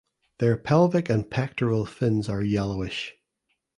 Their pelvic and pectoral fins are yellowish.